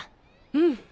うん。